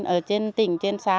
ở trên tỉnh trên xã